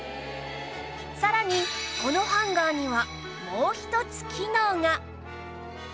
さらにこのハンガーにはもう一つ機能が